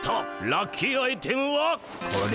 ラッキーアイテムはこれ！